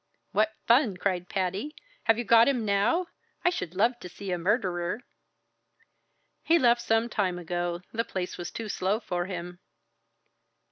"What fun!" cried Patty. "Have you got him now? I should love to see a murderer." "He left some time ago. The place was too slow for him."